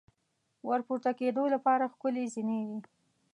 ور پورته کېدو لپاره ښکلې زینې وې.